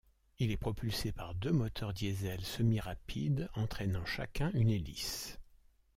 Il est propulsé par deux moteurs Diesel semi-rapide, entraînant chacun une hélice.